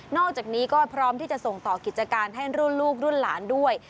อกจากนี้ก็พร้อมที่จะส่งต่อกิจการให้รุ่นลูกรุ่นหลานด้วย